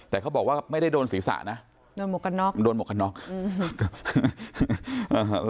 แต่เขาบอกว่าไม่ได้โดนศีรษะนะโดนหมวกกันน็อกโดนหมวกกันน็อกอืมอ่า